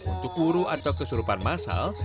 untuk uru atau kesurupan massal